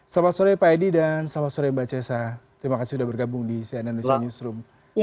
selamat sore pak edi dan selamat sore mbak cesa terima kasih sudah bergabung di cnn indonesia newsroom